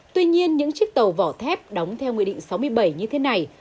tuy nhiên những chiếc tàu vỏ thép đóng theo nghị định sáu mươi bảy như thế này